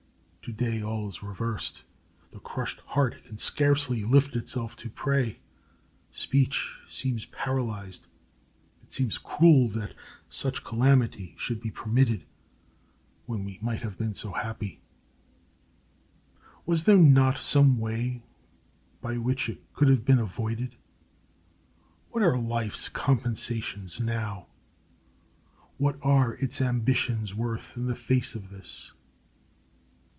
To day all is reversed. The crushed heart can scarcely lift itself to pray; speech seems paralyzed. It seems cruel that such calamity should be permitted, when we might have been so happy. Was there not some way by which it could have been avoided? What are life's compensations now? What are its ambitions worth in the face of this?